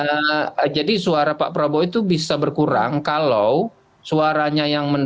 ya jadi suara pak prabowo itu bisa berkurang kalau suaranya yang menarik